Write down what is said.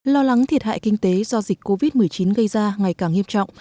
lo lắng thiệt hại kinh tế do dịch covid một mươi chín gây ra ngày càng nghiêm trọng